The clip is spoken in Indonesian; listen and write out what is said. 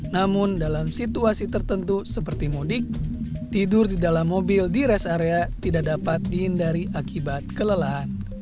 namun dalam situasi tertentu seperti modik tidur di dalam mobil di rest area tidak dapat dihindari akibat kelelahan